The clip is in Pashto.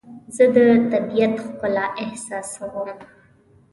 زه د طبیعت ښکلا احساسوم.